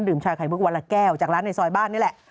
ชาไข่มุกวันละแก้วจากร้านในซอยบ้านนี่แหละ